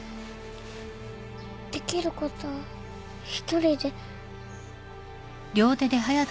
できることは一人で。